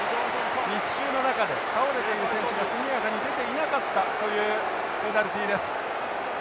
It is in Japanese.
密集の中で倒れている選手が速やかに出ていなかったというペナルティです。